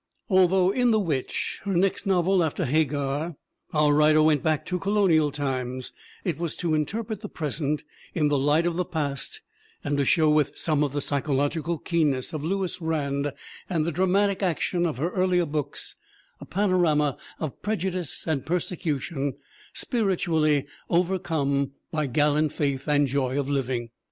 Although in The Witch, her next novel after Hagar, our writer went back to Colonial times it was to in terpret the present in the light of the past and to show with some of the psychological keenness of Lewis Rand and the dramatic action of her earlier books a pano rama of prejudice and persecution "spiritually over 146 THE WOMEN WHO MAKE OUR NOVELS come by gallant faith and joy of living."